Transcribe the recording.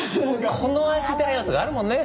この味だよとかあるもんね。